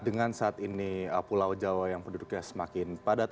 dengan saat ini pulau jawa yang penduduknya semakin padat